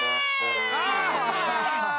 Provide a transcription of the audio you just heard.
ああ！